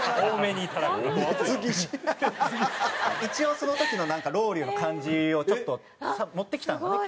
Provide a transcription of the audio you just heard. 一応その時のなんかロウリュの感じをちょっと持ってきたんだよね